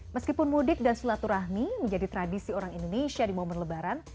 meskipun mudik dan silaturahmi menjadi tradisi orang indonesia di momen lebaran